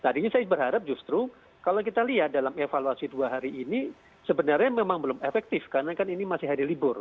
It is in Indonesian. jadi saya berharap justru kalau kita lihat dalam evaluasi dua hari ini sebenarnya memang belum efektif karena kan ini masih hari libur